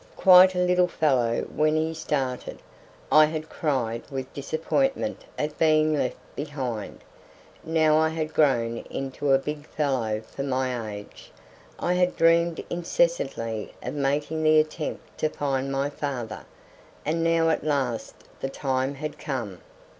Quite a little fellow when he started, I had cried with disappointment at being left behind. Now I had grown into a big fellow for my age; I had dreamed incessantly of making the attempt to find my father, and now at last the time had come.